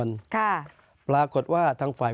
แต่ไม่ใช่เดี๋ยว